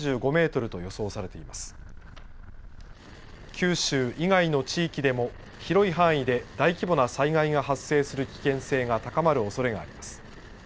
九州以外の地域でも広い範囲で大規模な災害が発生する危険性が高まるおそれがあります。